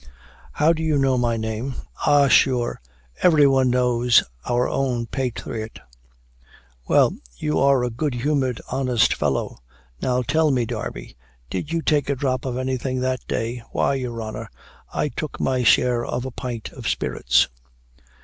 "How, do you know my name?" "Ah, sure every one knows our own pathriot" "Well, you are a good humored, honest fellow Now, tell me, Darby, did you take a drop of anything that day?" "Why, your honor, I took my share of a pint of spirits."